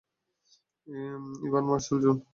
Ivan, Marshall, June?